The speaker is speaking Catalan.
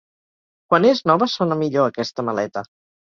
Quan és nova sona millor, aquesta maleta.